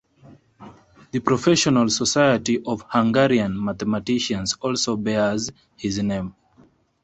The professional society of Hungarian mathematicians also bears his name.